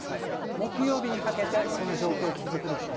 木曜日にかけてその状況続くでしょう。